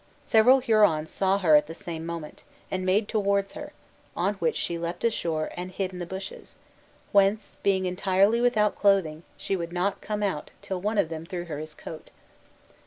Several Hurons saw her at the same moment, and made towards her; on which she leaped ashore and hid in the bushes, whence, being entirely without clothing, she would not come out till one of them threw her his coat.